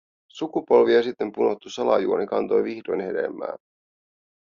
Sukupolvia sitten punottu salajuoni kantoi vihdoin hedelmää.